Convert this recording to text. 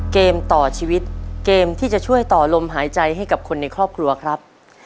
เกมต่อชีวิตเกมที่จะช่วยต่อลมหายใจให้กับคนในครอบครัวครับ